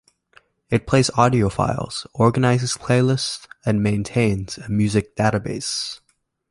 It plays audio files, organizes playlists and maintains a music database.